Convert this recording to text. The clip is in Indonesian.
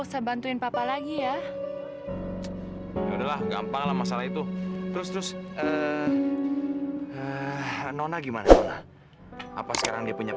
sampai jumpa di video selanjutnya